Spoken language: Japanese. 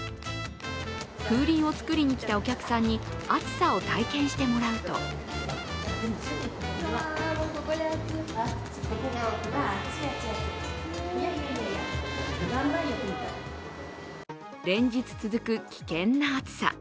風鈴を作りに来たお客さんに暑さを体験してもらうと連日続く、危険な暑さ。